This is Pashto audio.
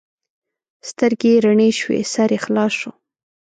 سترګې یې رڼې شوې؛ سر یې خلاص شو.